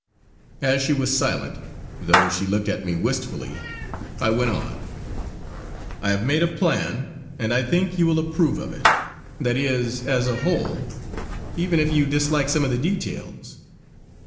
As she was silent, though she looked at me wistfully, I went on: "I have made a plan and I think you will approve of it. That is as a whole; even if you dislike some of the details.